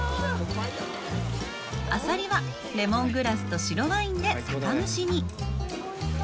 アサリは、レモングラスと白ワインで酒蒸しに。